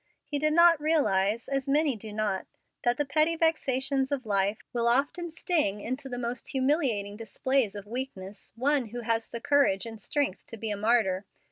He did not realize, as many do not, that the petty vexations of life will often sting into the most humiliating displays of weakness one who has the courage and strength to be a martyr.